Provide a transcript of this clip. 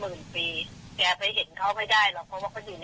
เราก็ไม่เคยสัมผัสกายละเอียดที่ว่าเขาไม่ได้มีกายหยาบอย่างนั้นแล้วนะ